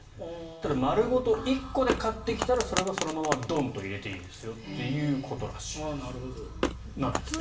ただ、丸ごと１個で買ってきたらそれはそのままドンと入れていいですよということらしいです。